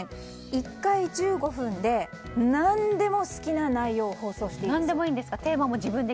１回１５分で何でも好きな内容を放送していいんです。